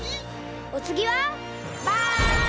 おつぎはバン！